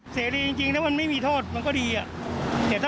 สมุนไพรไทยถ้าเอามาใช้ในทางถูกต้องก็น่าจะดีครับ